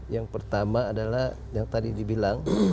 yang pertama adalah yang tadi dibilang